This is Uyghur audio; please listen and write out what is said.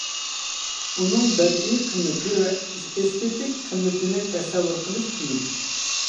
ئۇنىڭ بەدىئىي قىممىتى ۋە ئېستېتىك قىممىتىنى تەسەۋۋۇر قىلىش قىيىن.